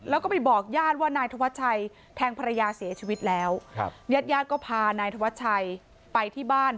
แล้วก็ไปบอกญาติว่านายธวัชชัยแทงภรรยาเสียชีวิตแล้วครับญาติญาติก็พานายธวัชชัยไปที่บ้าน